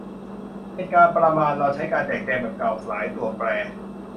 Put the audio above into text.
เป็นการประมาณเราใช้การแจกแจงแบบเกาส์หลายตัวแปร